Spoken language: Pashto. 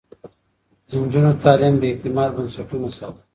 د نجونو تعليم د اعتماد بنسټونه ساتي.